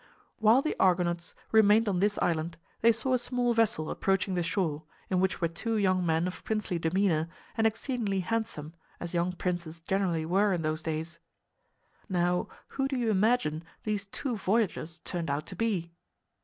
While the Argonauts remained on this island they saw a small vessel approaching the shore, in which were two young men of princely demeanor, and exceedingly handsome, as young princes generally were in those days. Now, who do you imagine these two voyagers turned out to be?